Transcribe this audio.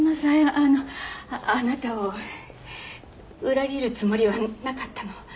あのあなたを裏切るつもりはなかったの。